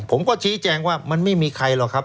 ผมก็ชี้แจงว่ามันไม่มีใครหรอกครับ